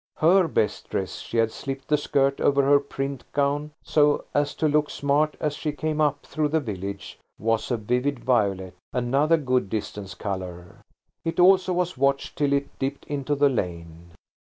Her best dress–she had slipped the skirt over her print gown so as to look smart as she came up through the village–was a vivid violet, another good distance colour. It also was watched till it dipped into the lane.